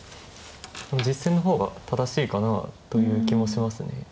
でも実戦の方が正しいかなという気もします。